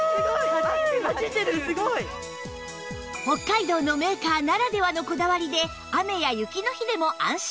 北海道のメーカーならではのこだわりで雨や雪の日でも安心